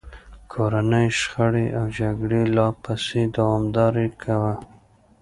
کورنۍ شخړې او جګړې لا پسې دوامداره کوي.